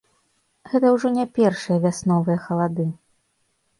Гэта ўжо не першыя вясновыя халады.